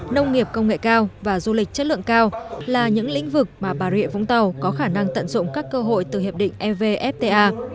nông nghiệp công nghệ cao và du lịch chất lượng cao là những lĩnh vực mà bà rịa vũng tàu có khả năng tận dụng các cơ hội từ hiệp định evfta